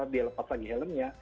dia lepas lagi helmnya